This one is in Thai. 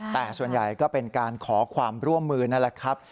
แต่ส่วนใหญ่ก็เป็นการขอความร่วมมือนั่นแหละครับ